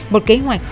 một kế hoạch